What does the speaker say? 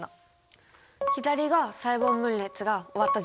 左が細胞分裂が終わった状態ですね。